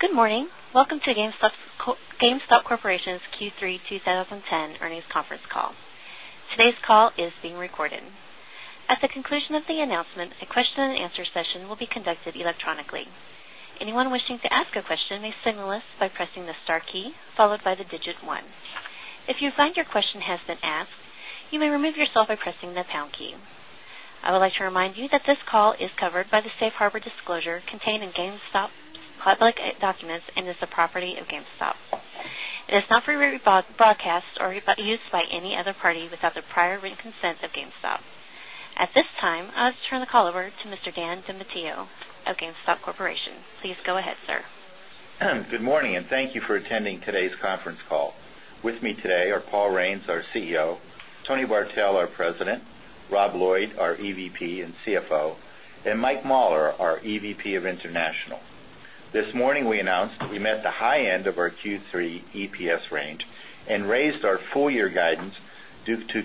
Good morning. Welcome to GameStop Corporation's Q3 twenty ten Earnings Conference Call. Today's call is being recorded. At the conclusion of the announcement, a question and answer session will be conducted electronically. The Safe Harbor disclosure contained in GameStop public documents and is the property of GameStop. It is not for use by any other party without the prior written consent of GameStop. At this time, I'd like to turn the call over to Mr. Dan Dimitio of GameStop Corporation. Please go ahead, sir. Good morning and thank you for attending today's conference call. With me today are Paul Raines, our CEO Tony Bartel, our President Rob Lloyd, our EVP and CFO and Mike Mahler, our EVP of International. This morning, we announced we met the high end of our Q3 EPS range and raised our full year guidance due to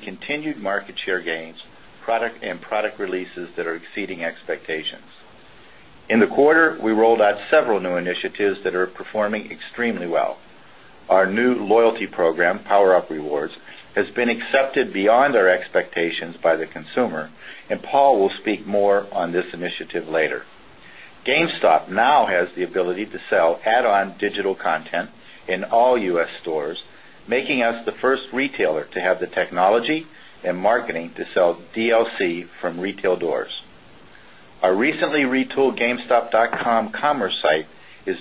several new initiatives that are performing extremely well. Our new loyalty program, PowerUp Rewards, has been accepted beyond our beyond our expectations by the consumer and Paul will speak more on this initiative later. GameStop now has the ability to sell add on digital in all U. S. Stores making us the 1st retailer to have the technology and marketing to sell DLC from retail doors. Our recently retooled e commerce sites in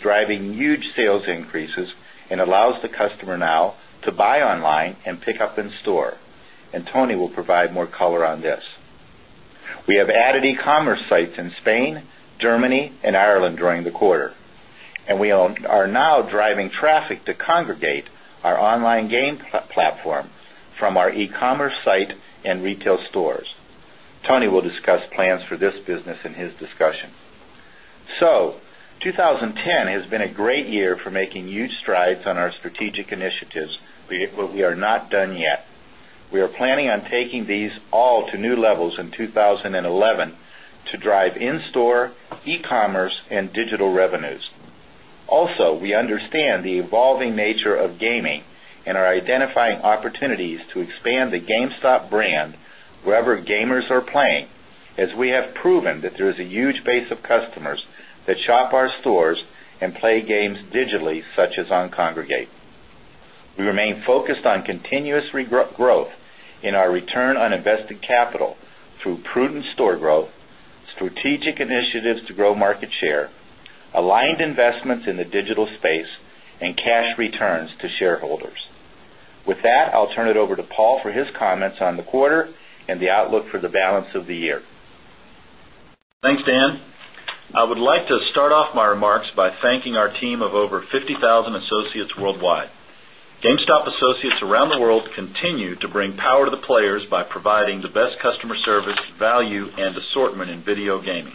Spain, Germany and Ireland during the quarter and we are now driving traffic to congregate our online game platform from our e commerce site and retail stores. Tony will discuss plans for this business in his discussion. So 2010 has been a great year for making huge strides on our strategic initiatives, but we are not done yet. We are planning on taking these all to new levels in 2011 to drive in store, e commerce and digital revenues. Also, we understand the evolving nature of gaming and are identifying opportunities to expand the GameStop brand wherever gamers are playing as we have proven that there is a huge base of customers that shop our stores and play games digitally such as on Congregate. We remain focused on continuous growth in our return on invested capital through prudent store growth, strategic initiatives to grow market share, aligned investments in the digital space and cash returns With that, I'll turn it over to Paul for his comments on the quarter and the outlook for the balance of the year. Thanks, Dan. I would like to start off my remarks by thanking our team of over 50,000 associates worldwide. GameStop associates around the world continue to bring power to the players by providing the best customer service, value and assortment in video gaming.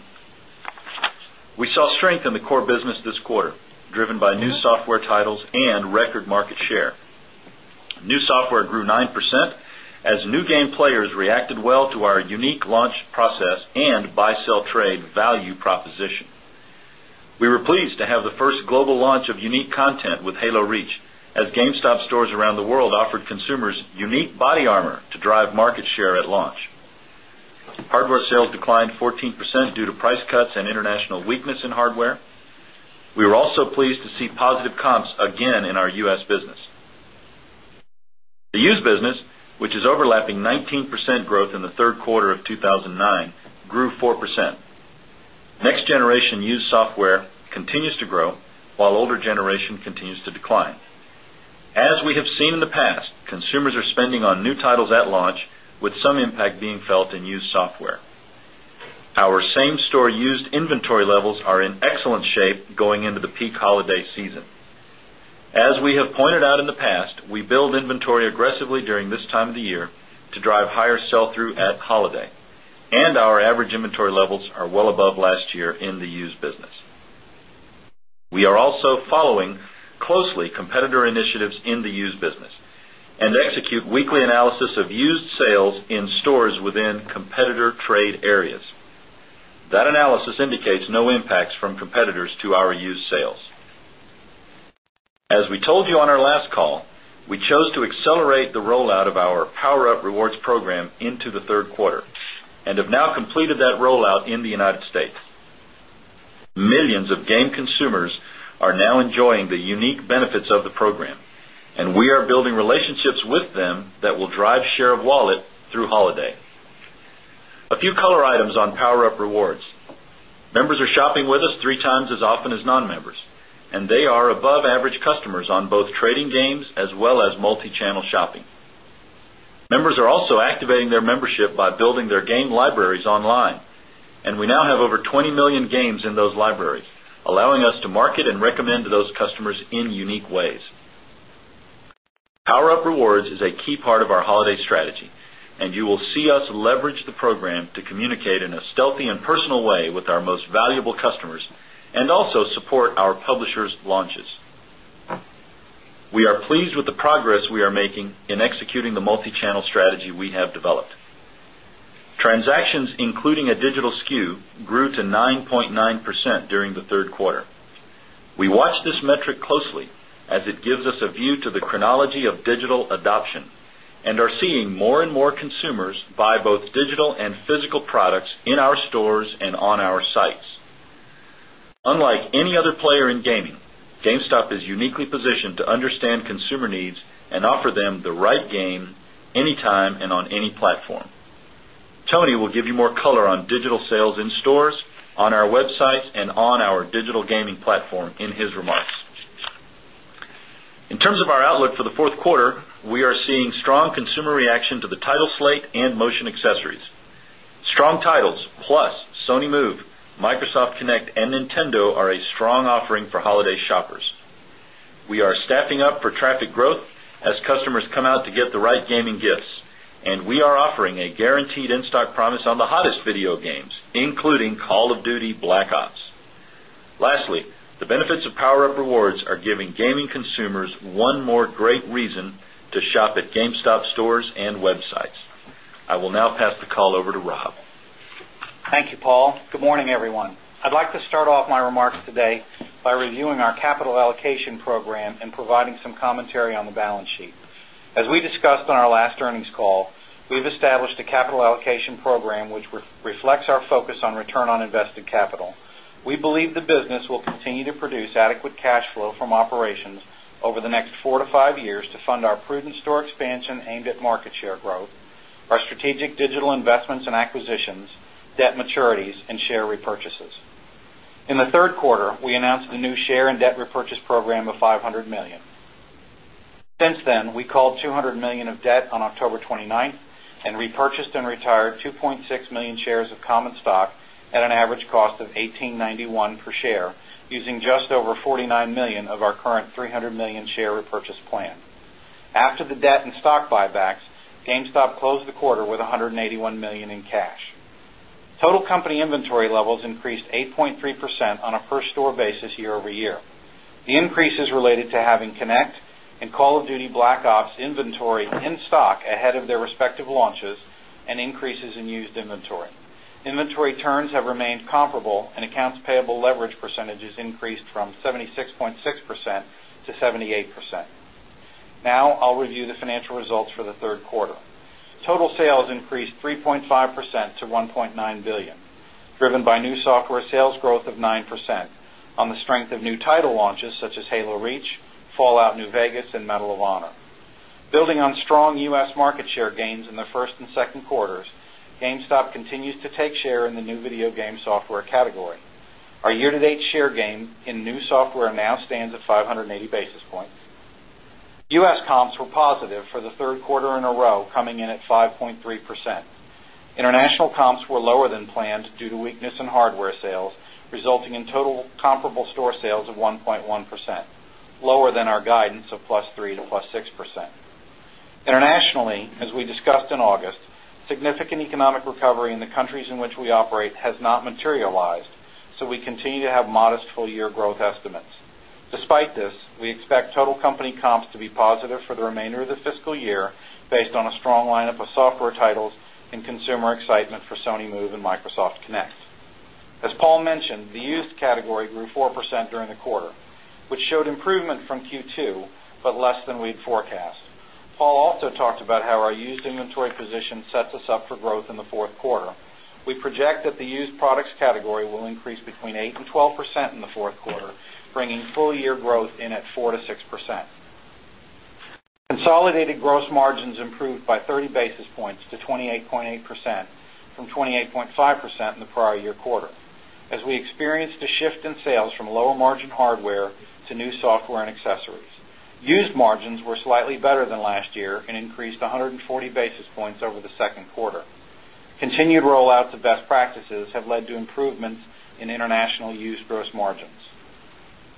We saw strength in the core business this quarter, driven by new software titles and record market share. New software grew 9 percent as new game players reacted well to our unique launch process and buy sell trade value proposition. We were pleased to have the 1st global launch of unique content with Halo Reach as GameStop stores around the world offered consumers unique body armor to drive market share at launch. Hardware sales declined 14% due to price cuts and international weakness in hardware. We were also pleased to see positive comps in our U. S. Business. The used business, which is overlapping 19% growth in the Q3 of 9 grew 4%. Next generation used software continues to grow, while older generation continues to decline. As we have seen in the past, consumers are spending on new titles at launch with some impact being felt in used software. Same store used inventory levels are in excellent shape going into the peak holiday season. As we have pointed out in the past, we build inventory aggressively during this time of the year to drive higher sell through at holiday and our average inventory levels are well above last year in the the weekly analysis of used sales in stores within competitor trade areas. That analysis indicates no from competitors to our used sales. As we told you on our last call, we chose to accelerate the rollout of our PowerUp Rewards the unique benefits of the program and we are building relationships with them that will drive share of wallet through holiday. A few color items on PowerUp Rewards. Members are shopping with us 3 times as often as non members and they above average customers on both trading games as well as multi channel shopping. Members are also activating their membership by building their game libraries online and we now have over 20,000,000 games in those libraries, allowing us to market and recommend to those customers in unique ways. PowerUp Rewards is a key part of our holiday strategy and you will see us leverage the program to communicate in a stealthy and personal way with our most valuable customers and also support our publishers' launches. We are pleased with the progress we are making in executing the multichannel strategy we have developed. Transactions including a digital SKU grew to 9.9% during the Q3. We watch this metric closely as it gives us a view to the chronology of digital adoption and are seeing more and of digital adoption and are seeing more and more consumers buy both digital and physical products in our stores and on our sites. Unlike any other player in gaming, GameStop is is In terms of our outlook for the Q4, we are seeing strong consumer reaction to the title slate and motion accessories. Strong titles plus Sony Move, as of Duty: Black Ops. Lastly, the benefits of PowerUp Rewards are giving gaming consumers one more great reason to shop at GameStop stores and websites. I will now pass the call over to Rob. Thank you, Paul. Good morning, everyone. I'd like to start off my remarks today by reviewing our capital allocation program and providing some commentary on the balance sheet. As we discussed on our last earnings call, we've established a capital allocation program, which reflects our focus on return on invested capital. We believe the business will continue to produce adequate cash flow from operations over the next 4 to 5 years to fund our prudent store expansion aimed at market share growth, our strategic digital investments and acquisitions, Since then, we called 200,000,000 dollars Since then, we called $200,000,000 of debt on October 29 and repurchased and retired 2,600,000 shares of common stock at an average cost of $18.91 per share using just over $49,000,000 of our current $300,000,000 share repurchase plan. After the debt and stock buybacks, GameStop closed the quarter with $181,000,000 in cash. Total company inventory levels increased 8.3% on a 1st store basis year over year. The increase is related to having Connect and Call of Duty Black Ops inventory in stock ahead of their respective launches and increases in used inventory. Inventory turns have remained comparable and accounts payable leverage percentages increased from 76.6 percent to 78%. Now I'll review the financial results for the launches such as Halo Reach, Fallout New Vegas and Medal of Honor. Building on strong U. S. Market share gains in the 1st and second quarters, GameStop continues to take share in the new video game software category. Our year to date share gain in new software now stands at 580 basis points. U. S. Comps were positive for the 3rd quarter in a row coming in at 5.3%. International comps were lower than planned due to weakness in hardware sales, resulting in total comparable store sales of 1.1%, lower than our guidance of +3 percent to +6 percent. Internationally, as we discussed in August, significant economic recovery in the countries in which we operate has materialized, so we continue to have modest full year growth estimates. Despite this, we expect total company comps to be positive for the remainder of the fiscal year based on a strong lineup of software titles and consumer excitement for Sony Move and Microsoft Connect. As Paul mentioned, the used category grew 4% during the quarter, which showed improvement from Q2, but less than we'd forecast. Paul also talked about our used inventory position sets us up for growth in the 4th quarter. We project that the used products category will increase between 8% and 12% in the 4th quarter, bringing full year growth in at 4% to 6%. Consolidated gross margins improved by 30 basis points to 28.5% in the prior year quarter, as we experienced a shift in sales from lower margin hardware to new software and accessories. Used margins were slightly better than last year and increased 140 basis points over the Q2. Continued rollouts of best practices have led to improvements in international used gross margins.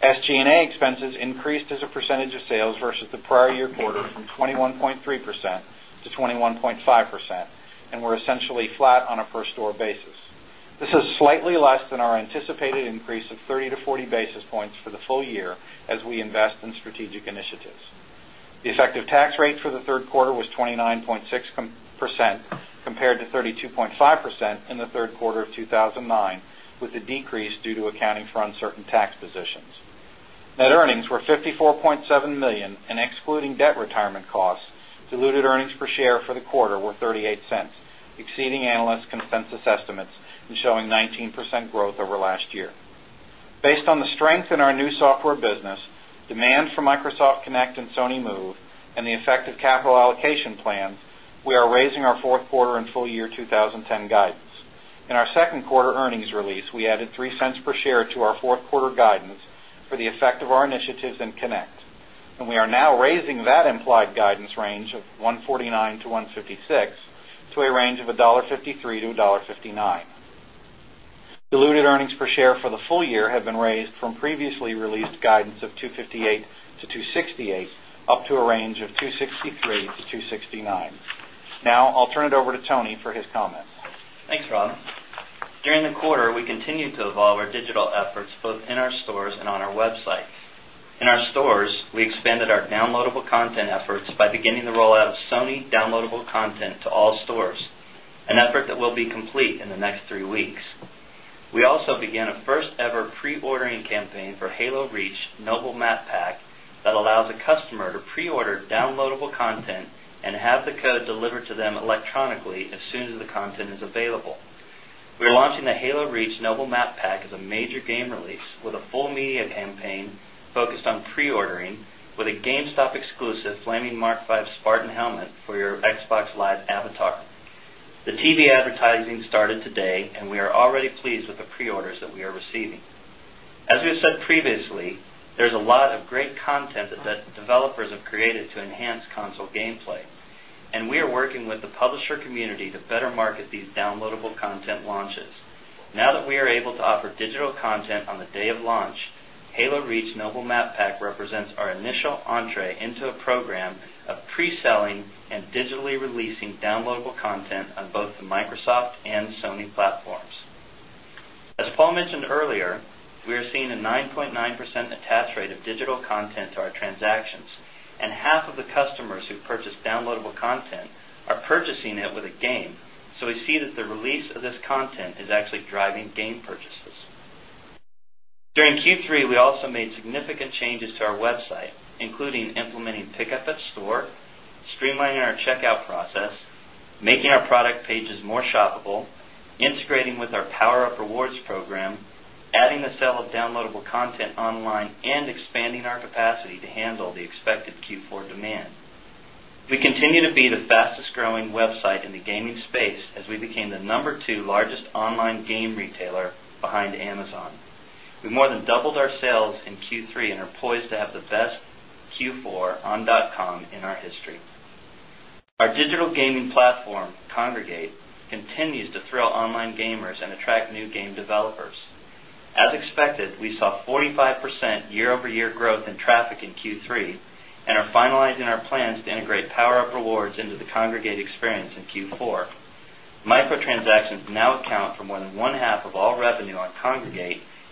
SG and A expenses increased as a percentage of sales versus the prior year quarter from 21.3% to 21 point 5% and were essentially flat on a per store basis. This is slightly less than our anticipated increase of 30 basis points to 40 basis points for the full year as we invest in strategic initiatives. The effective tax rate for the 3rd quarter was 29.6% compared to 32.5% in the Q3 of 2,009 with a decrease due to accounting for uncertain tax positions. Net earnings were 54 point $7,000,000 and excluding debt retirement costs, diluted earnings per share for the quarter were $0.38 exceeding analyst consensus estimates and showing 19% growth over last year. Based on the strength in our new software business, demand from Microsoft Connect and Sony Move and the effective capital allocation plans, we are raising our 4th quarter and full year 20 10 guidance. In our 2nd quarter earnings release, we added $0.03 per share to our 4th quarter guidance for the effect of our initiatives in Connect. And we are now raising that implied guidance range of $1.49 to 1.5 $6 to a range of $1.53 to $1.59 Diluted earnings per share for the full year have been raised from previously released guidance of 2.5 $8 to $2.68 up to a range of $2.63 to $2.69 Now, I'll turn it over to Tony for his comments. Thanks, Rob. During the quarter, we continued to evolve our digital efforts both in our stores and on our website. In our stores, we expanded our downloadable content efforts by beginning the rollout of Sony downloadable content to all stores, an effort that will be complete in the next 3 weeks. We also began a first ever pre ordering campaign for Halo Reach Noble Map Pack that allows a customer to preorder downloadable content and have the code delivered to them electronically as soon as the content is available. We're launching the Halo Reach Noble Map Pack as a major game release with a full media campaign focused on pre ordering with a GameStop exclusive flaming Mark V helmet for your Xbox Live Avatar. The TV advertising started today and we are already pleased with the pre orders that we are receiving. As we've said previously, there's a lot of great content that developers have created to enhance console gameplay and we are working with the publisher community to market these downloadable content launches. Now that we are able to offer digital content on the day of launch, HALO REACH Noble Map Pack represents our initial entree into a program of pre selling and digitally releasing downloadable content on both the Microsoft and Sony platforms. As Paul mentioned earlier, we are seeing a 9.9% attach rate of digital content to our transactions and half of the customers who purchase downloadable content are purchasing it with a game. So we see that the release of this content is actually driving game purchases. During Q3, we also made significant changes to our website, including implementing pickup at store, streamlining our checkout process, making our product pages more shoppable, integrating with our PowerUp Rewards program, adding the sale of downloadable content online and expanding our capacity to handle the expected Q4 demand. Continue to be the fastest growing website in the gaming space as we became the number 2 largest online game retailer behind Amazon. We more than doubled our sales in Q3 and are poised to have the best Q4 on dotcom in our history. Our digital gaming platform, Kongregate, continues to thrill online gamers and attract new game developers. Kongregate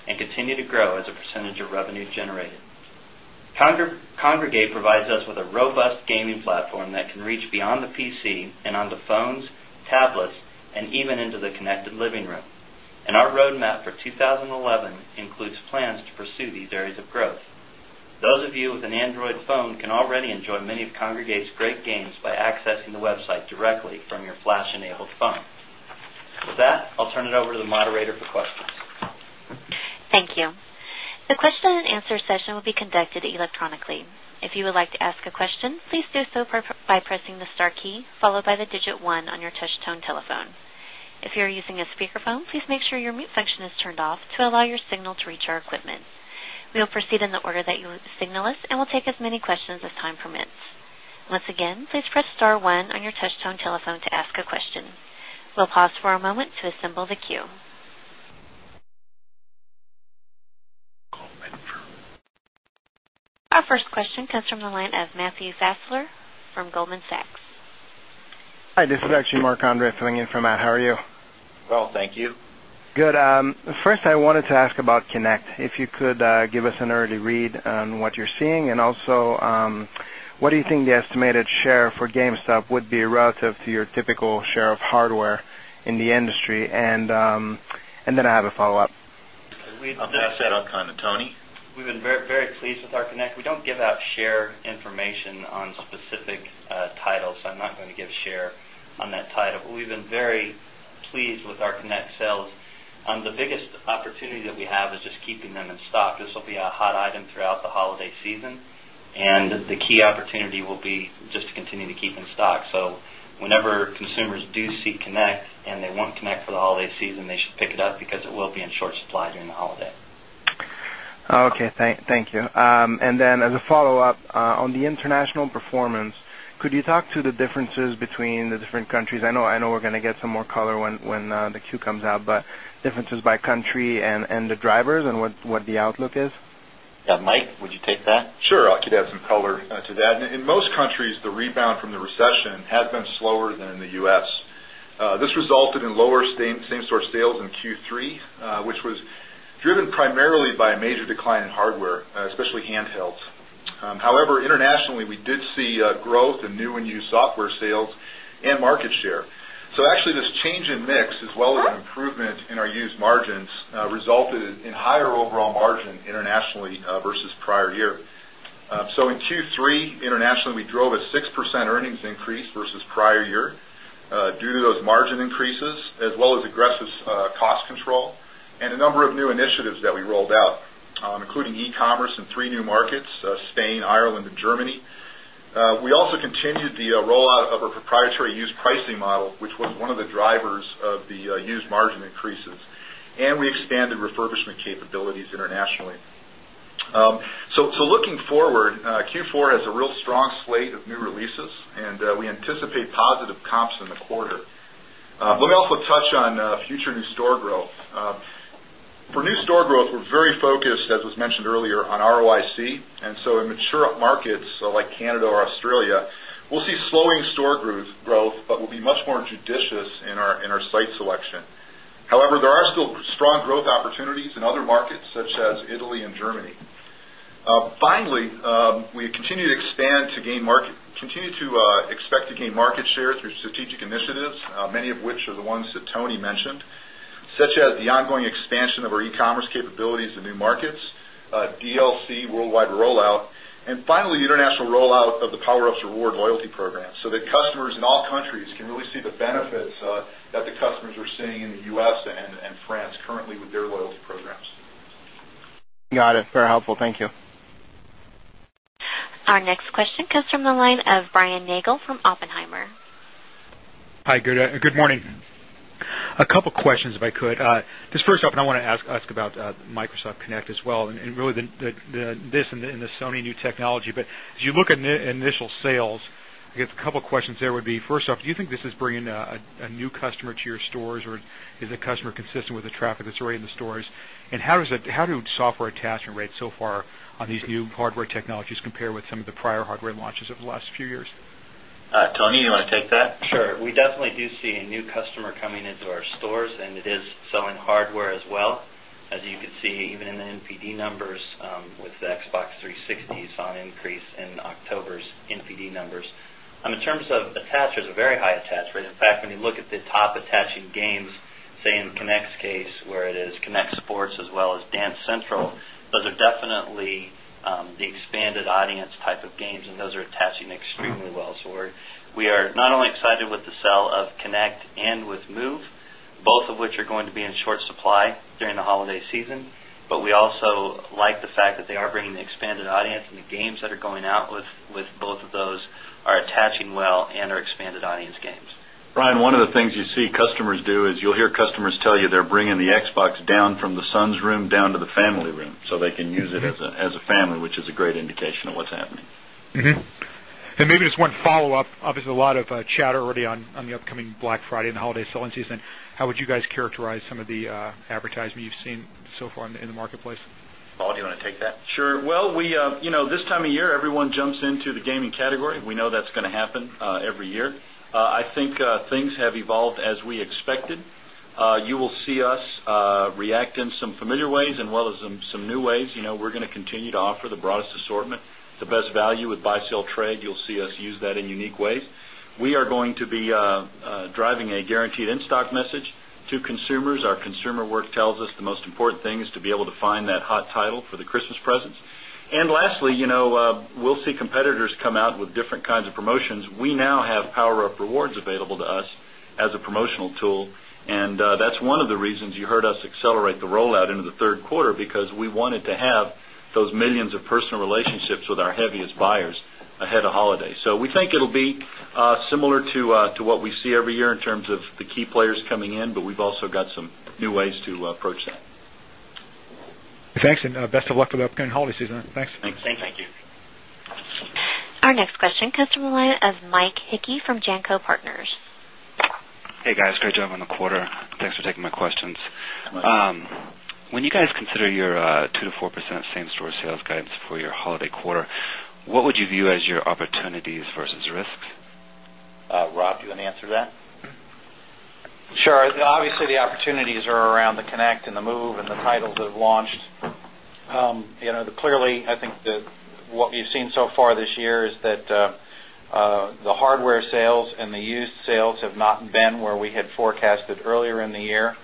and continue to grow as a percentage of revenue generated. Kongregate provides us with a robust gaming platform that can reach beyond the PC and on the phones, tablets and even into the connected living room. And our roadmap for 2011 includes plans to pursue these areas of growth. Those of you with an Android phone can already enjoy many of Kongregate's great games by accessing the website directly from your flash enabled phone. With that, I'll turn it over to the moderator for questions. Thank you. The question and answer session will be conducted electronically. Our first question comes from the line of Matthew Zasler from Goldman Sachs. Hi. This is actually Marc Andre filling in for Matt. How are you? Well, thank you. Good. First, I wanted to ask about Kinect. If you could give us an early read on what you're seeing? And also, what do you think the estimated share for GameStop would be relative to your typical share of hardware in the industry? And then I have a follow-up. I'll pass that on kind of Tony. We've been very pleased with our Connect. We don't give out share information on specific titles. So, I'm not going to give share on that title. We've been very pleased with our Connect sales. The biggest opportunity that we have is just keeping them in stock. This will be a hot item throughout the holiday season and the key opportunity will be just to continue to keep in stock. So whenever consumers do see Connect and they want Connect for the holiday season, they should pick it up because it will be in short supply during the holiday. Okay. Thank you. And then as a follow-up, on the international performance, could you talk to the differences between the different countries? I know we're going to get some more color when the Q comes out, but differences by country and the drivers and what the outlook is? Yes. Mike, would you take that? Sure. I could add some color to that. In most countries, the rebound from the recession has been slower than in the U. S. This handhelds. However, internationally, we did see growth in new and used software sales and market share. So actually this change in mix as well as an improvement in our used margins resulted in higher overall margin internationally versus prior year. So in Q3, internationally we drove a 6% earnings increase versus prior year due to increases as well as aggressive cost control and a number of new initiatives that we rolled out, including e commerce in 3 new markets, Spain, Ireland and Germany. We also continued the rollout of our proprietary used pricing model, which was one of the drivers of the used margin increases and we expanded refurbishment capabilities internationally. So looking forward, Q4 has a real strong slate of new releases and we anticipate positive comps in the quarter. Let me also touch on future new store growth. For new store growth, we're very focused, as was mentioned earlier, on ROIC. And so in mature markets like Canada or Australia, we'll see slowing store growth, but will be much more judicious in our site selection. However, there are still strong growth opportunities in other markets such as Italy strategic initiatives, many of which are the ones that Tony mentioned, such as the ongoing expansion of our e commerce capabilities in new markets, DLC worldwide rollout, and finally, the international rollout of the Power Ups Rewards loyalty program, so that customers in all countries can really see the benefits that the customers are seeing in the U. S. And France currently with their loyalty programs. Got it. Very helpful. Thank you. Our next question comes from the line of Brian Nagel from Oppenheimer. Hi. Good morning. A couple of questions if I could. Just first off, I want to ask about Microsoft Connect as well and really this and the Sony new technology. But as you look at initial sales, I guess a couple of questions there would be, first off, do you think this is bringing a new customer to your stores or is the customer consistent with the traffic that's already in the stores? And how do software attachment rates so far on these new hardware technologies compare with some of the prior hardware launches over the last few years? Tony, you want to take that? Sure. We definitely do see a new customer coming into our stores and it is selling hardware as well. As you could see even in the NPD numbers with Xbox 360s on increase in October's NPD numbers. In terms of attach, there's a very high attach rate. In fact, when you look at the top attaching games, say in Connect's case, where it is Connect Sports as well as Dance Central, those are definitely the expanded audience type of games and those are attaching extremely well. So we are not only excited with the sale of Connect and with Move, both of which are going to be in short supply during the holiday season, but we also like the fact that they are bringing the expanded audience and the games that are going out with both of those attaching well and are expanded audience games. Brian, one of the things you see customers do is you'll hear customers tell you they're bringing the Xbox down from the sun's room down to the family room, so they can use it as a family, which is a great indication of what's happening. And maybe just one follow-up, obviously a lot of chatter already on the upcoming Black Friday and holiday selling season. How would you guys characterize some of the advertisement you've seen so far in the marketplace? Paul, do you want to take that? Sure. Well, we this time of year, everyone jumps into the gaming category. We know that's going to happen every year. I think things have evolved as we expected. You will see us react in some familiar ways as well as some new ways. We're going to continue to offer the broadest assortment, the best value with buy, sell, trade. You'll see us use that in unique ways. We are going to be driving a guaranteed in stock message to consumers. Our consumer work tells us the most important thing is to be able to find that hot title for the Christmas presents. And lastly, we'll see competitors come out with different kinds of promotions. We now have PowerUp Rewards available to us as a promotional tool and that's one of the reasons you heard us accelerate the rollout into the 3rd quarter because we wanted to have those millions of personal relationships with our heaviest buyers ahead of holiday. So we think it'll be similar to what we see every year in terms of the key players coming in, but we've also got some new ways to approach that. Thanks and best of luck for the upcoming holiday season. Thanks. Thank you. Our next question comes from the line of Mike Hickey from Janco Partners. Hey, guys. Great job on the quarter. Thanks for taking my questions. Good morning. When you guys consider your 2% to 4% same store sales guidance for your holiday quarter, what would you view as your opportunities versus risks? Rob, do you want to answer that? Sure. Obviously, the opportunities are around the Connect and the Move and the titles have launched. Clearly, I think that what we've seen so far this year is that the hardware sales and the used sales have not been where we had forecasted earlier in the year.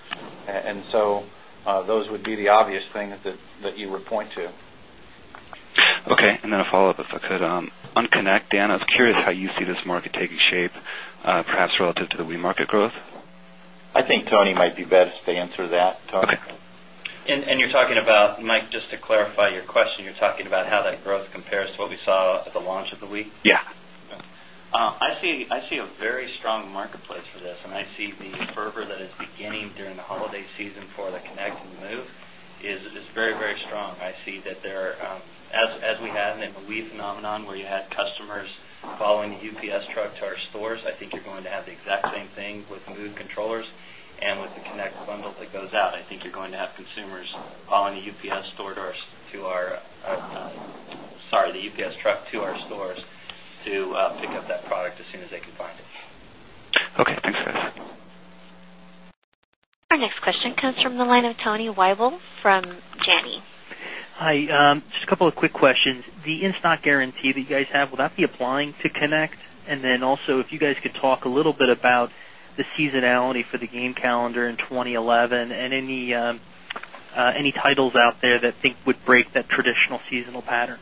And so those would be the obvious things that you would point to. Okay. And then a follow-up if I could. On Connect, Dan, I was curious how you see this market taking shape perhaps relative to the question, you're talking about how that growth compares to what we saw at the launch of the week? Yes. I see a very strong marketplace for this and I see the fervor that is beginning during the holiday season for the Connect and move is very, very strong. I see that there as we have in the belief phenomenon where you had customers following the UPS truck to our stores, I think you're going to have the exact same thing with mood controllers and with the connect bundle that goes out. I think you're going to have consumers following the UPS store to our sorry, the UPS truck to our stores to pick up that product as soon as they can find it. Okay. Thanks, guys. Our next question comes from the line of Tony Weibel from Janney. Hi. Just a couple of quick questions. The in stock guarantee that you guys have, would that be applying to Connect? And then also if you guys could talk a little bit about the seasonality for the game calendar in 20 11 and any titles out there that think would break that traditional seasonal pattern?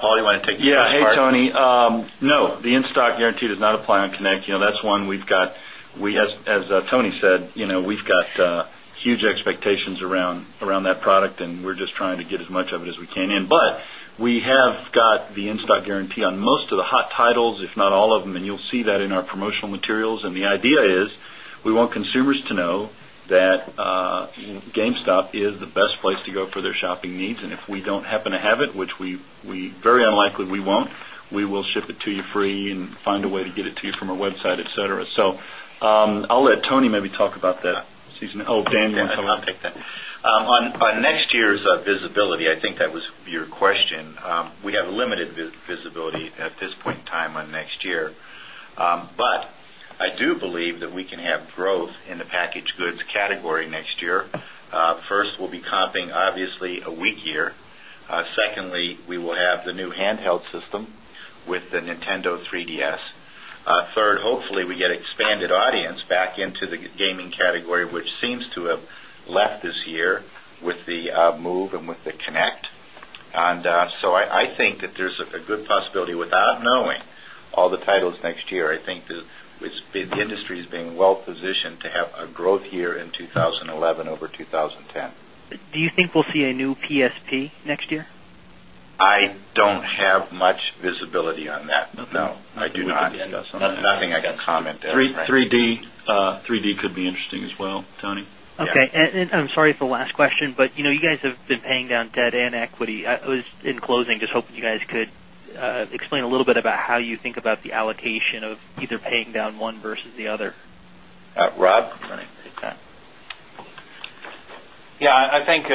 Paul, do you want to take that part? Yes. Hey, Tony. No, the in stock guarantee does not apply on Connect. That's one we've got. We have as Tony said, we've got huge expectations around that product and we're just trying to get as much of it as we can in. But we have got the in stock guarantee on most of the hot titles, if not all of them, and you'll see that in our promotional materials and the idea is we want consumers to know that GameStop is the best place to go for their shopping needs and if we don't happen to have it, which we very unlikely we won't, we will ship it to you free and find a way to get it to you from our website, etcetera. So I'll let Tony maybe talk about that season. Dan, you want to take that? On next year's visibility, I think that was your question. We have limited visibility at this point in time on next year. But I do believe that we can have growth in the packaged goods category next year. 1st, we'll be comping obviously a weak year. Secondly, we will have the new handheld system with the Nintendo 3DS. 3rd, hopefully, we get expanded audience back into the gaming category, which seems to have left this year with the move and with the Connect. And so I think that there's a good possibility without knowing all the titles next year, I think the industry is being well positioned to have a growth year in 2011 over 2010. Do you think we'll see a new PSP next year? I don't have much visibility on that. No, I do not. Nothing I can comment on. 3 d could be interesting as well, Tony. Okay. And I'm sorry for the last question, but you guys have been paying down debt and equity. I was in closing just hoping you guys could explain a little about how you think about the allocation of either paying down one versus the other? Rob? Yes, I think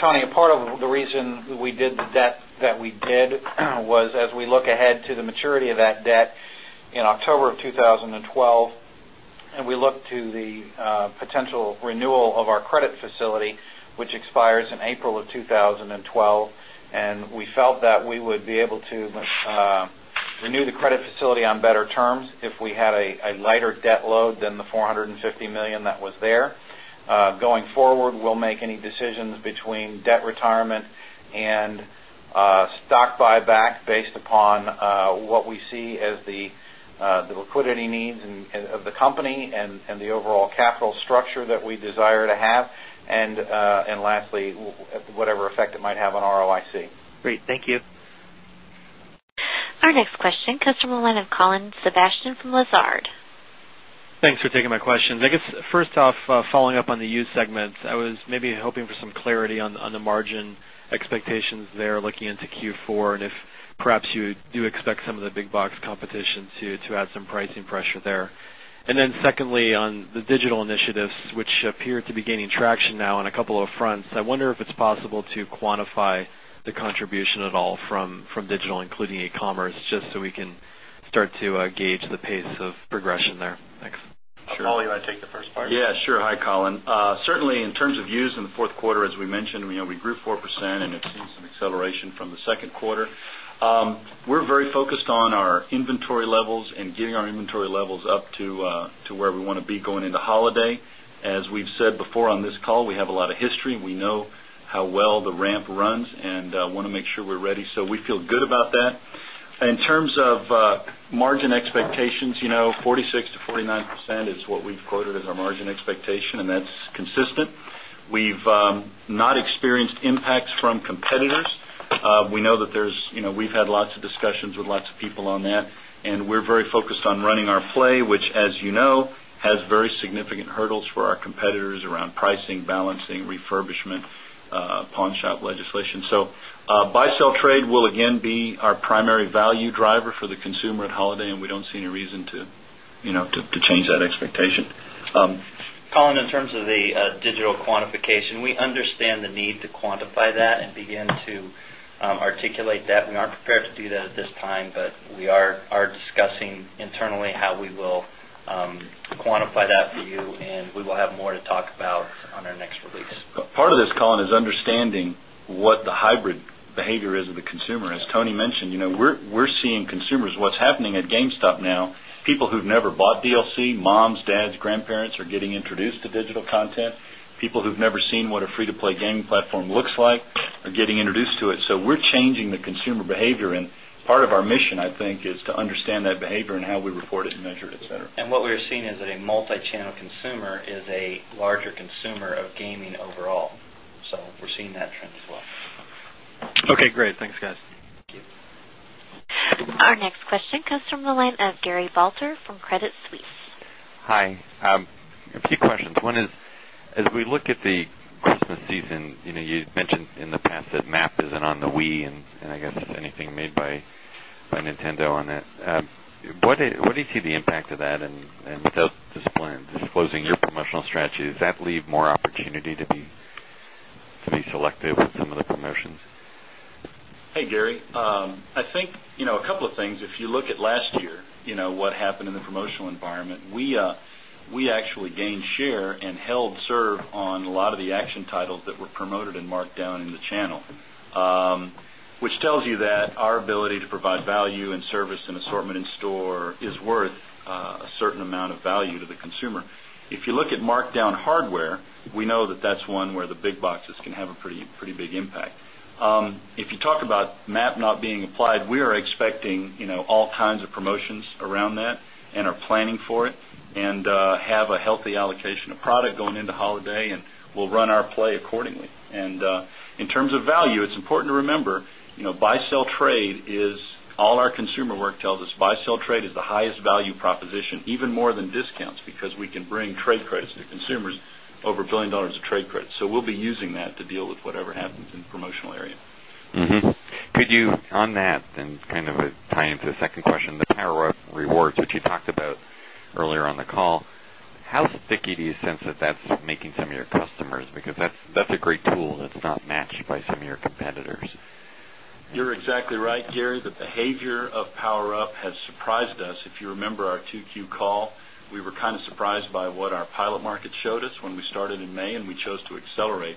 Tony, a part of the reason we did the debt that we did was as we look ahead to the maturity of that debt in October of 2012 and we look to the potential renewal of our credit facility, which expires in April of 20 12 and we felt that we would be able to renew the credit facility on better terms if we had a lighter debt load than the $450,000,000 that was there. Going forward, we'll make any decisions between debt retirement and stock buyback based upon what we see as the liquidity needs of the company and the overall capital structure that we desire to have and lastly, whatever effect it might have on ROIC. Great, thank you. Our next question comes from the line of Colin Sebastian from Lazard. Thanks for taking my questions. I guess first off following up on the used segments, I was maybe hoping for some clarity on the margin expectations there looking into Q4 and if perhaps you do expect some of the big box competition to add some pricing pressure there? And then secondly, on the digital initiatives, which appear to be gaining traction now on a couple of fronts, I wonder if it's possible to quantify the contribution at all from digital including e commerce just so we can start to gauge the pace of progression there? Thanks. Paul, do you want to take the first part? Yes, sure. Hi, Colin. Certainly, in terms of used in the 4th quarter, as we mentioned, we grew 4% and it's seen some acceleration from the 2nd quarter. We're very focused on our inventory levels and getting our inventory levels up to where we want to be going into holiday. As we've said before on this call, we have a lot of history. We know how well the ramp runs and want to make sure we're ready. So we feel good about that. In terms of margin expectations, 46% to 49% is what we've quoted as our margin expectation and that's consistent. We've not experienced impacts from competitors. We know that there's we've had lots of discussions with lots of people on that and we're very focused on running our play, which as you know, has very significant hurdles for our competitors around pricing, balancing, refurbishment, pawnshop legislation. So buy sell trade will again be our primary value driver for the consumer at Holiday and we don't see any digital we understand the need to quantify that and begin to articulate that. We aren't prepared to do that at this time, but we are discussing internally how we will quantify that for you and we will have more to talk about on our next release. Part of this, Colin is understanding what the hybrid behavior is of the consumer. As Tony mentioned, we're seeing consumers what's happening at GameStop now, people who've never bought DLC, moms, dads, grandparents are getting introduced to digital content. People who've never seen what a free to play gaming platform looks like are getting introduced to it. So we're changing the consumer behavior and part of our mission, I think, is to understand that behavior and how we report it and measure it, etcetera. And what we're seeing is that a multichannel consumer is a larger consumer of gaming overall. So we're seeing that trend as well. Okay, great. Thanks, guys. Our next question comes from the line of Gary Vaucher from Credit Suisse. Hi. A few questions. One is, as we look at the Christmas season, you had mentioned in the past that MAP isn't on the Wii and I guess anything made by Nintendo on it. What do you see the impact of that and without discipline disclosing your promotional strategy, does that leave more opportunity to be selective with some of the promotions? Hey, Gary. I think a couple of things. If you look at last year, what happened in the promotional environment, we actually gained share and held serve on a lot of the action titles that were promoted and marked down in the channel, which tells you that our ability to provide value and service and assortment in store is worth a certain amount of value to the consumer. If you look at markdown hardware, we know that that's one where the big boxes can have a pretty big impact. If you talk about MAP not being applied, we are expecting all kinds of promotions around that and are planning for it and have a healthy allocation of product going into holiday and we'll run our play accordingly. And in terms of value, it's important to remember buy sell trade is all our consumer work tells us buy sell trade is the highest value proposition even more than discounts because we can bring trade credits to consumers over $1,000,000,000 of trade credits. So we'll be using that to deal with whatever happens in promotional area. Could you on that and kind of tying into the second question, the PowerUp Rewards, which you talked about earlier on the call, how sticky do you sense that that's making some of your customers because that's a great tool that's not matched by some of your competitors? You're exactly right, Gary. The behavior of PowerUp has surprised us. If you remember our 2Q call, we were kind of surprised by what our pilot market showed us when we started in May and we chose to accelerate.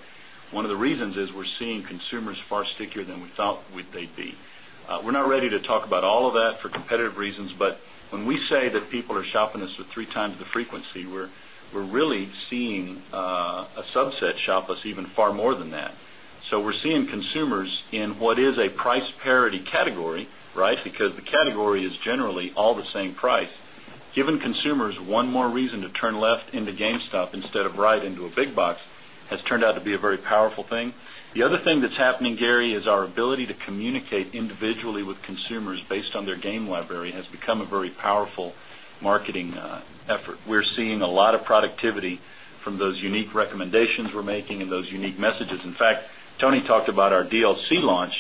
One of the reasons is we're seeing consumers far stickier than we thought they'd be. We're not ready to talk about all of that for competitive reasons, but when we say that people are shopping us with 3 times the frequency, we're really seeing a subset shop us even far more than that. So we're seeing consumers in what is a price parity category, right, because the category is generally all the same price. Given consumers one more reason to turn other thing that's happening, Gary, is our ability to communicate individually with consumers based on their game library has become a very powerful marketing effort. We're seeing a lot of productivity from those unique recommendations we're making and those unique messages. In fact, Tony talked about our DLC launch,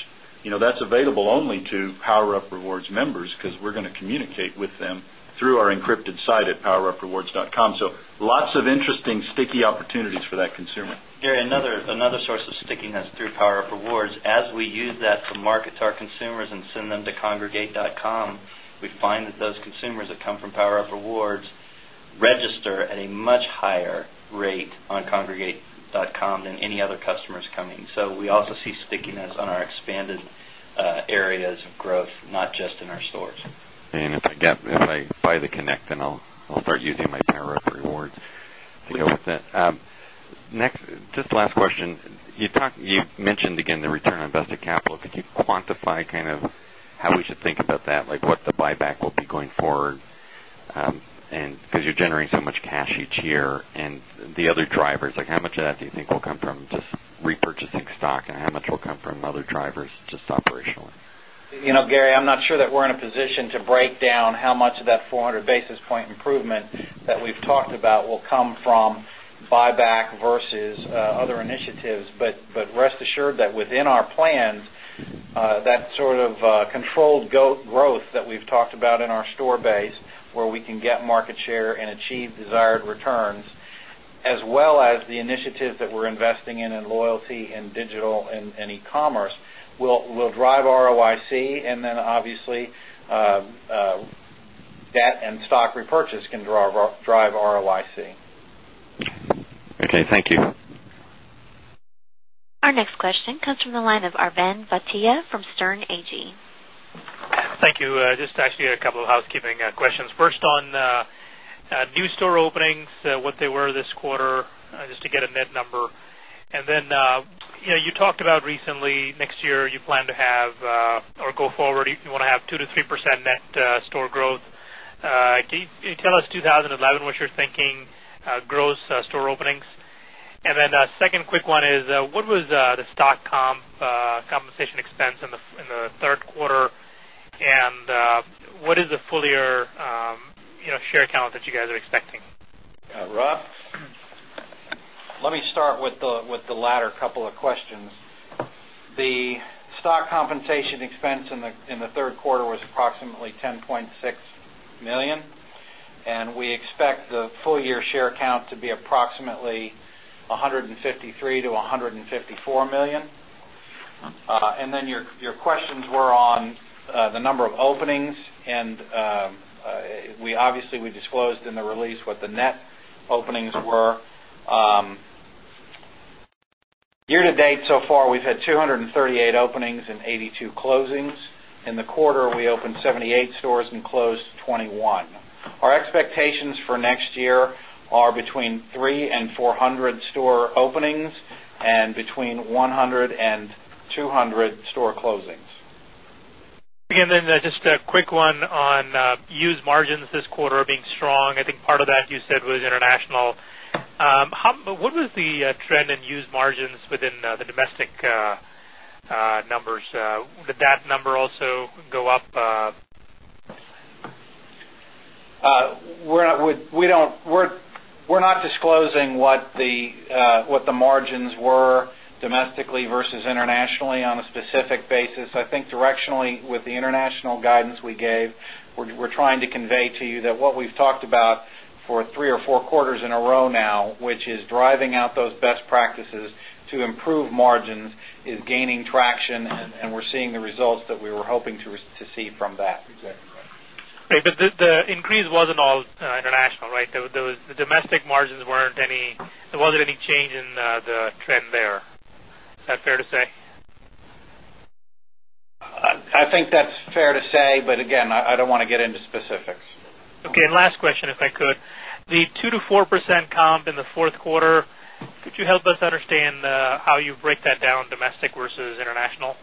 that's available only to PowerUp Rewards members because we're going to communicate with them through our encrypted site at poweruprewards.com. So lots of interesting sticky opportunities for that consumer. Gary, another source of stickiness through PowerUp Rewards. As we use that to market to our consumers and send them to congregate.com, we find that those consumers that come from PowerUp Rewards register at a much higher rate on congregate.com than any other customers coming. So we also see stickiness on our expanded areas of growth, not just in our stores. And if I buy the Connect, then I'll start using my Power capital. Could you quantify kind of how we should think about that, like what the buyback will be going forward? And because you're generating so much cash each year and the other drivers, like how much of that do you think will come from just repurchasing stock and how much will come from other drivers just operationally? Gary, I'm not sure that we're in a position to break down how much of that 400 basis point improvement that we've talked about will come from buyback versus other initiatives. But rest assured that within our plans, that sort of controlled growth that we've talked about in our store base where we can get market share and achieve desired returns as well as the initiatives that we're investing in, in loyalty and digital and e commerce will drive ROIC and then Okay. Thank you. Our next question comes from the line of Arvind Bhatia from Stern AG. Thank you. Just actually a couple of housekeeping questions. First on new store openings, what they were this quarter, just to get a net number? And then you talked about recently next year you plan to have or go forward you want to have 2% to 3% net store growth. Can you tell us 2011 what you're thinking gross store openings? And then second one is what was the stock compensation expense in the Q3? And what is the full year share count that you guys are expecting? Yes, Rob. Let me start with the latter couple of questions. The stock compensation expense in the Q3 was approximately 10,600,000 and we expect the full year share count to be approximately 153,000,000 to 154,000,000. Dollars And then your questions were on the number of openings and we obviously 8 openings and 82 closings. In the quarter, we opened 78 stores and closed 21. Our expectations for next year are between 34 100 store openings and between 102 100 store closings. And then just a quick one on used margins this quarter being strong. I think part of that you said was international. What was the trend in used margins within the domestic numbers? Did that number also go up? We're not disclosing what the margins were domestically versus internationally on a specific basis. I think directionally with the best practices to improve margins is gaining traction and we're seeing the results that we were hoping to see from that. The increase wasn't all international, right? The domestic margins weren't any there wasn't any change in the trend there. Is that fair to say? I think that's fair to say, but again, I don't want to get into specifics. Okay. And last question if I could. The 2% to 4% comp in the 4th quarter, could you help us understand how you break that down domestic versus international?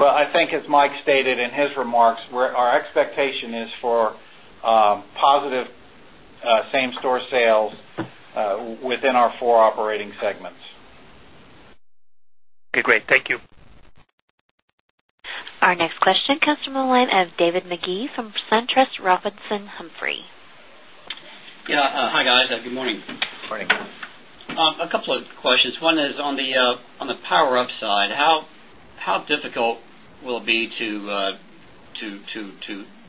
Well, I think as Mike stated in his remarks, our expectation is for positive same store sales within our 4 operating segments. Okay, great. Thank you. Our next question comes from the line of David Magee from SunTrust Robinson Humphrey. Yes. Hi, guys. Good morning. A couple of questions. One is on the power up side, how difficult will it be to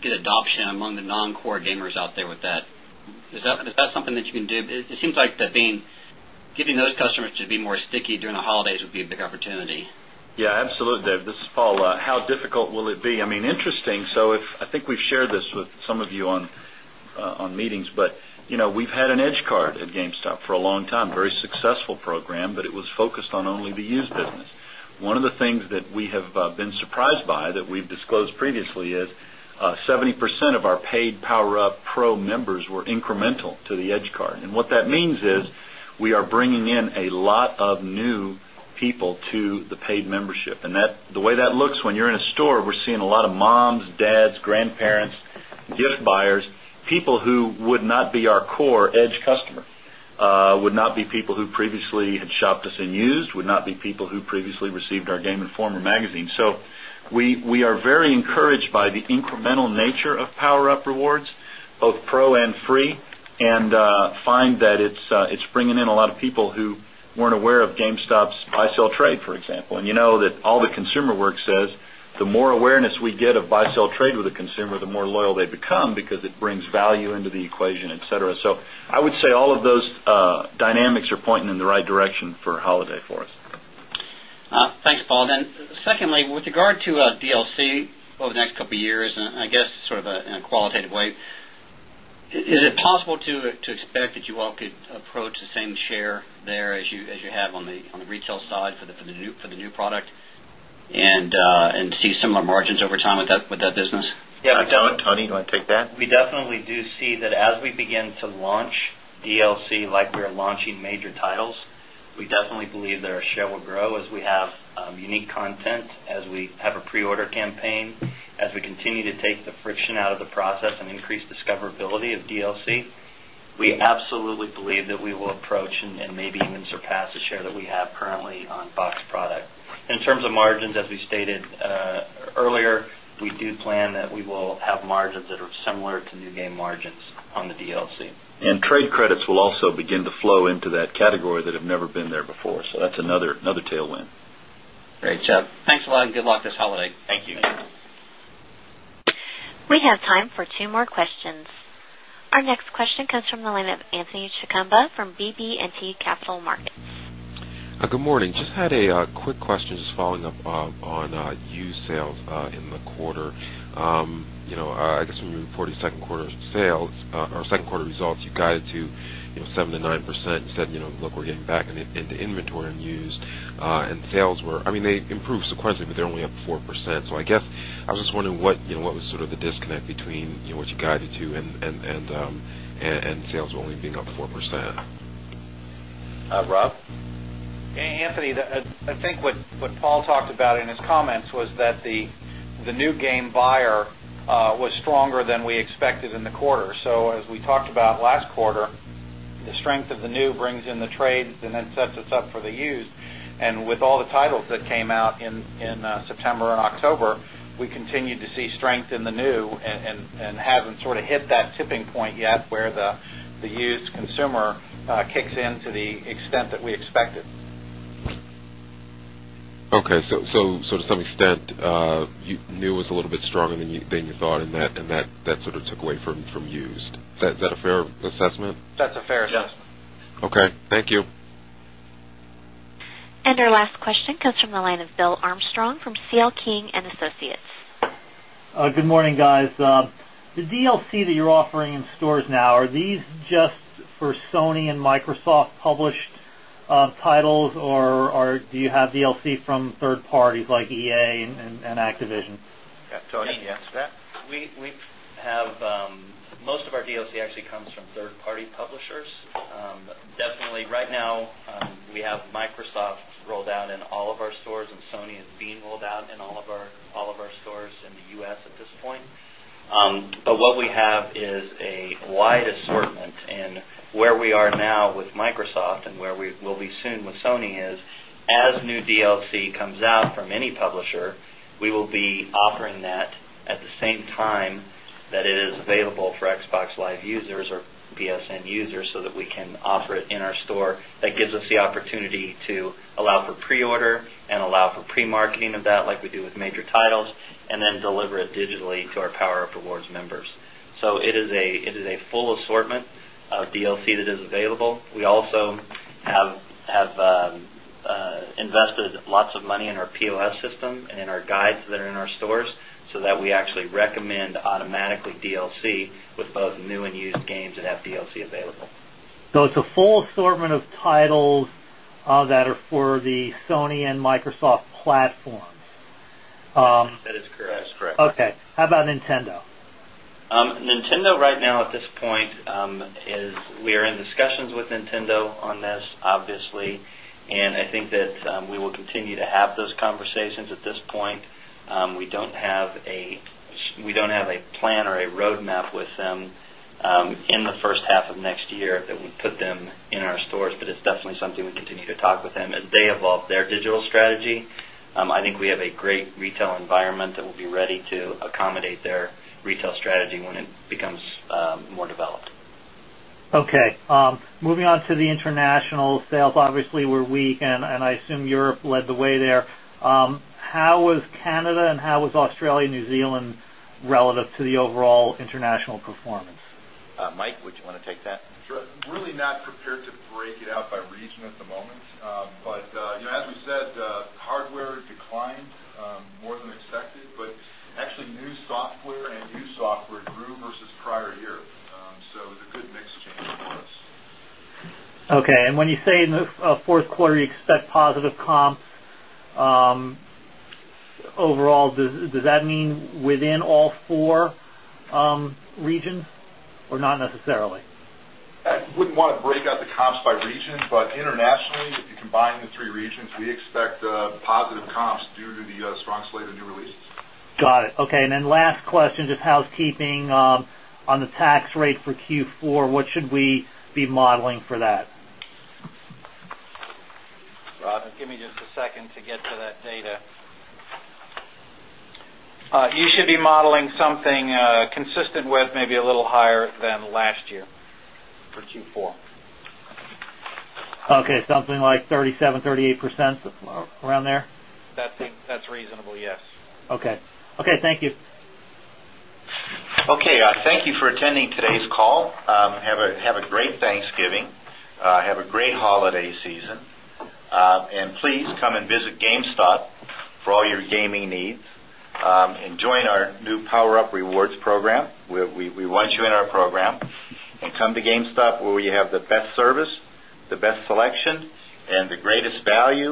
get adoption among the non core gamers out there with that? Is that something that you can do? It seems like that being getting those customers to be more sticky during the holidays would be a How difficult will it be? I mean, interesting. So if I think we've shared this with some of you on meetings, but we've had an edge card at GameStop for a long time, very successful program, but it was focused on only the used business. One of the things that we have been surprised by that we've disclosed previously is 70% of our paid PowerUp Pro members were incremental to the Edge card. And what that means is we are bringing in a lot of new people to the paid membership. And that the way that looks when you're in a store, we're seeing a lot of moms, dads, grandparents, gift buyers, people who would not be our core Edge customer, would not be people who previously had shopped us and used, would not be people who previously received our Game Informer Magazine. So we are very encouraged by the incremental nature of PowerUp Rewards, both pro and free and find that it's bringing in a lot of people who weren't aware of GameStop's buyselltrade, for example. And you know that all the consumer work says the more awareness we get of buyselltrade with the consumer, the more loyal they become because it brings value into the equation, etcetera. So I would say all of those dynamics are pointing in the right direction for Holiday for us. Thanks, Paul. And then secondly, with regard to DLC over the next couple of years, I guess, sort of in a qualitative way, is it possible to expect that you all could approach the same share there as you have on the retail side for the new product and see similar margin over time with that business? Yes. Tony, do you want to take that? We definitely do see that as we begin to launch DLC like we are launching major titles, we definitely believe that our share will grow as we have unique content, as we have a pre order campaign, as we continue to take the friction out of the process and increase discoverability of DLC. We absolutely believe that we will approach and maybe even surpass the share that we have currently on Fox product. In terms of margins, as we stated earlier, we do plan that we will have margins that are similar to new game margins on the DLC. And trade credits will also begin to flow into that category that have never been there before. So that's another tailwind. Great, Jeff. Thanks a lot and good luck this holiday. Thank you. We have time for 2 more questions. Our next question comes from the line of Anthony Chukumba from BB and T Capital Markets. Good morning. Just had a quick question just following up on used sales in the quarter. I guess when you reported 2nd quarter sales or 2nd quarter results you guided to 7% to 9%. You said, look, we're getting back into inventory on used and sales were I mean they improved sequentially, but they're only up 4%. So I guess I was just wondering what was sort of the disconnect between what you guided to and sales only being up 4%. Rob? Anthony, I think what Paul talked about in his comments was that the new game buyer was stronger than we expected in the quarter. So as we talked about last quarter, the strength of the new brings in the trade and then sets us up for the used. And with all the titles that came out in September October, we continue to see extent that we expected. Okay. So to some extent, new was a little bit stronger than you thought and that sort of took away from used. Is that a fair assessment? That's a fair assessment. Yes. Okay. Thank you. And our last question comes from the line of Bill Armstrong from C. L. King and Associates. Good morning, guys. The DLC that you're offering in stores now, are these just for Sony and Microsoft published titles or do you have DLC from 3rd parties like EA and Activision? Tony, can you answer that? We have most of our DLC actually comes from 3rd party publishers. Definitely, right now, we have Microsoft rolled out in all of our stores and Sony is being rolled out in all of our stores in the U. S. At this point. But what we have is a wide assortment and where we are now with Microsoft and where we will be soon with Sony is, as new DLC comes out from any publisher, we will be offering that at the same time that it is available for Xbox Live or PSN users so that we can offer it in our store. That gives us the opportunity to allow for pre order and allow for pre marketing of that like we do with major titles and then deliver it digitally to our PowerUp Rewards members. So it is a full assortment of DLC that is available. We also have invested lots of money in our POS system and in our guides that are in our stores, so that we actually recommend automatically DLC with both new and used games and have DLC available. So it's a full assortment of titles that are for the Sony and Microsoft platforms. That is correct. Okay. How about Nintendo? Nintendo right now at this point is we are in discussions with Nintendo on this obviously and I think that we will continue to have those conversations at this point. We don't have a plan or a roadmap with them in the first half of next year that we put them in our stores, but it's definitely something we continue to talk with them as they evolve their digital strategy. I think we have a great retail environment that will be ready to international sales, obviously, were weak and I assume Europe led the way there. How was Canada and how was Australia, New Zealand relative to the overall international performance? Mike, would you want to take that? Sure. Really not prepared to break it out by region at the moment. But as we said, hardware declined more than expected, but actually new software and new software grew versus prior year. So it's a good mix change for us. Okay. And when you say in the Q4 you expect positive comp overall, does that mean within all four regions or not necessarily? I wouldn't want to break out the comps by regions, but internationally if you combine the 3 regions, we expect positive comps due to the strong slate of new releases. Got it. Okay. And then last question just housekeeping on the second to get to that data. You should be modeling something consistent with maybe a little higher than last year for Q4. Okay. Something like 37%, 38%, around there? That's reasonable, yes. Okay. Thank you. Okay. Thank you for attending today's call. Have a great Thanksgiving. Have a great holiday season. And please come and visit GameStop for all your gaming needs and join our new PowerUp Rewards program. We want you in our program and come to GameStop where we have the best service, the best selection and the greatest value